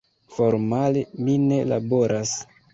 Formale mi ne laboras.